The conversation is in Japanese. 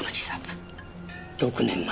６年前？